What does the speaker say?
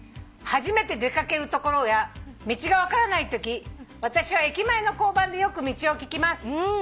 「初めて出掛ける所や道が分からないとき私は駅前の交番でよく道を聞きます」